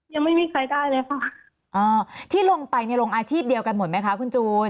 ยังไม่มีใครได้เลยค่ะอ่าที่ลงไปเนี่ยลงอาชีพเดียวกันหมดไหมคะคุณจูน